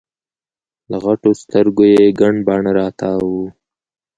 له غټو سترګو یي ګڼ باڼه راتاو وو